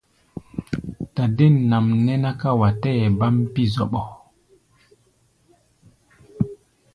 Dadên nʼam nɛ́ ná ká wa tɛɛ́ baʼm pí̧ zɔɓɔ.